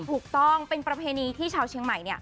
ถูกต้องเป็นประเพณีที่ชาวเชียงใหม่